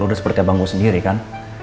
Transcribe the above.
udah seperti abang gue sendiri kan